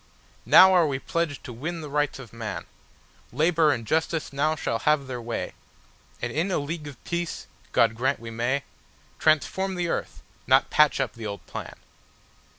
Now are we pledged to win the Rights of man; Labour and Justice now shall have their way, And in a League of Peace—God grant we may—Transform the earth, not patch up the old plan.